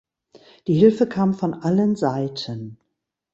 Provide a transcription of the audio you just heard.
Die Hilfe kam von allen Seiten.